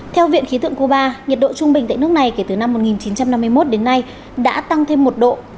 theo viện khí tượng cuba nhiệt độ trung bình tại nước này kể từ năm một nghìn chín trăm năm mươi một đến nay đã tăng thêm một độ